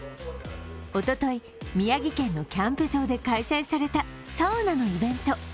おととい、宮城県のキャンプ場で開催されたサウナのイベント。